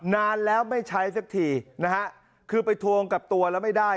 นานแล้วไม่ใช้สักทีนะฮะคือไปทวงกับตัวแล้วไม่ได้